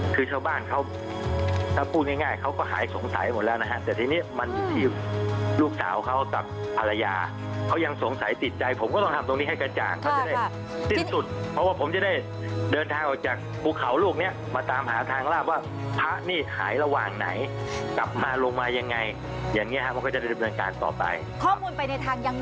คือชาวบ้านเขาถ้าพูดง่ายง่ายเขาก็หายสงสัยหมดแล้วนะฮะแต่ทีนี้มันอยู่ที่ลูกสาวเขากับภรรยาเขายังสงสัยติดใจผมก็ต้องทำตรงนี้ให้กระจ่างเขาจะได้สิ้นสุดเพราะว่าผมจะได้เดินทางออกจากภูเขาลูกเนี้ยมาตามหาทางลาบว่าพระนี่หายระหว่างไหนกลับมาลงมายังไงอย่างเงี้ฮะมันก็จะดำเนินการต่อไปข้อมูลไปในทางยังไง